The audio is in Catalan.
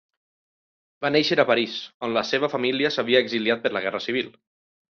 Va néixer a París, on la seva família s'havia exiliat per la guerra civil.